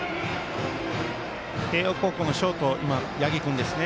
慶応高校のショート八木君ですね。